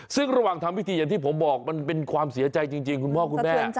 ซึ่งระหว่างทำพิธีอย่างที่ผมบอกมันเป็นความเสียใจจริงคุณพ่อคุณแม่